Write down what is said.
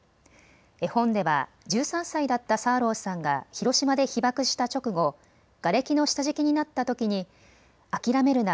絵本では１３歳だったサーローさんが広島で被爆した直後、がれきの下敷きになったときに諦めるな。